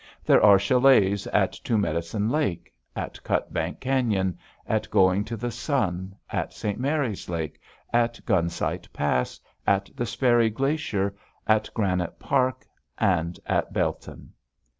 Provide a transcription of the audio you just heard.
There are chalets at Two Medicine Lake, at Cutbank Canyon, at Going to the Sun, at St. Mary's Lake, at Gunsight Pass, at the Sperry Glacier, at Granite Park, and at Belton.